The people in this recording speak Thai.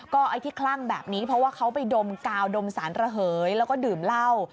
ก็ไอ้ที่คลั่งแบบนี้เพราะว่าเขาไปดมกาวดมสารระเหยแล้วก็ดื่มเหล้า